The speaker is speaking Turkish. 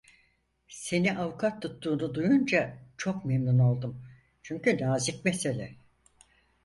Seni avukat tuttuğunu duyunca çok memnun oldum: Çünkü nazik mesele…